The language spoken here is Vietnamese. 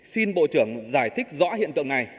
xin bộ trưởng giải thích rõ hiện tượng này